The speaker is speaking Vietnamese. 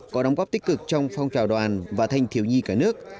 có đóng góp tích cực trong phong trào đoàn và thanh thiếu nhi cả nước